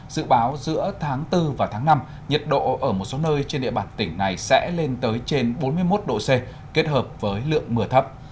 dự báo giữa tháng bốn và tháng năm nhiệt độ ở một số nơi trên địa bàn tỉnh này sẽ lên tới trên bốn mươi một độ c kết hợp với lượng mưa thấp